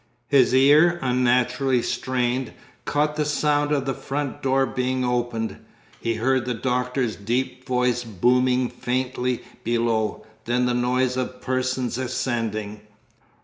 His ear, unnaturally strained, caught the sound of the front door being opened, he heard the Doctor's deep voice booming faintly below, then the noise of persons ascending.